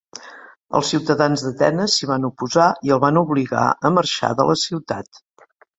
Els ciutadans d'Atenes s'hi van oposar i el van obligar a marxar de la ciutat.